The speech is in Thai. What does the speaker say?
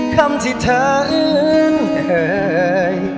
คำที่เธออื่นเอ่ย